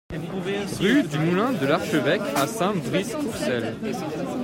Rue du Moulin de l'Archeveque à Saint-Brice-Courcelles